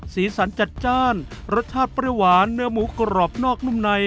สีสันจัดจ้านรสชาติเปรี้ยหวานเนื้อหมูกรอบนอกนุ่มใน